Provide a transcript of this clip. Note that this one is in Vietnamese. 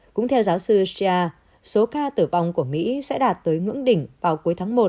cũng theo giáo sư australia số ca tử vong của mỹ sẽ đạt tới ngưỡng đỉnh vào cuối tháng một